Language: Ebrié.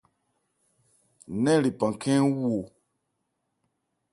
Nɛ́n lephan khɛ́n ń wu o.